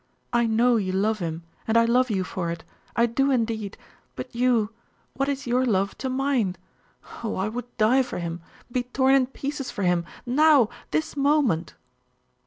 I know you love him; and I love you for it. I do indeed! But you what is your love to mine? Oh, I would die for him be torn in pieces for him now, this moment!....